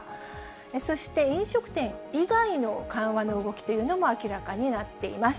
そして飲食店以外の緩和の動きというのも明らかになっています。